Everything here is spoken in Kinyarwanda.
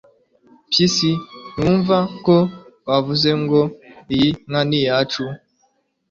mpyisi ntiwumva ko bavuze ngo iyi nka ni iyacu